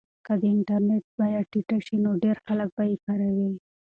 که د انټرنیټ بیه ټیټه شي نو ډېر خلک به یې کاروي.